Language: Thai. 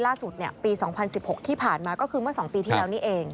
ล่าสุดเนี่ยปีสองพันสิบหกที่ผ่านมาก็คือเมื่อสองปีที่เหล่านี้เอง